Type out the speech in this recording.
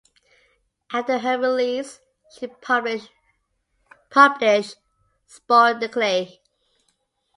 After her release she published sporadically.